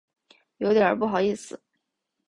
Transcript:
有点不好意思